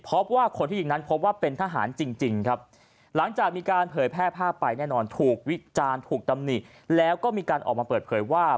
พบว่าคนที่ยิงนั้นพบว่าเป็นทหารจริงครับหลังจากมีการเผยแพร่ภาพไปแน่นอนถูกวิจารณ์ถูกตำหนิแล้วก็มีการออกมาเปิดเผยว่า